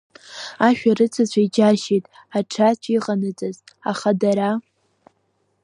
Ашәарыцацәа иџьаршьеит аҽацә иҟанаҵаз, аха дара…